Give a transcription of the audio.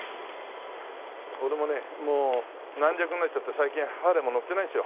俺もねもう軟弱になっちゃって最近ハーレーも乗ってないんですよ。